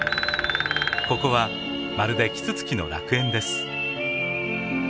ここはまるでキツツキの楽園です。